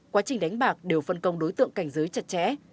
quá trình đánh bạc đều phân công đối tượng cảnh giới chặt chẽ